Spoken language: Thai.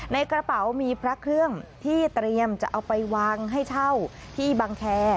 ในกระเป๋ามีพระเครื่องที่เตรียมจะเอาไปวางให้เช่าที่บังแค